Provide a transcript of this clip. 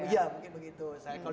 ya mungkin begitu